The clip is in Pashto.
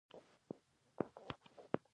• خندا کورنۍ ته خوشحالي راولي.